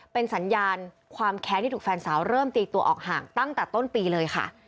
เป็นสัญญาณความแค้นที่ถูกแฟนสาวเริ่มตีตัวออกห่างตั้งแต่ต้นปีเลยค่ะ